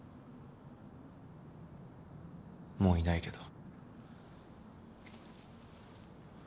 もういないけど。